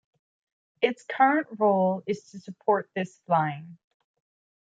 Its current role is to support this flying.